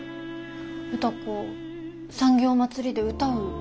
歌子産業まつりで歌う？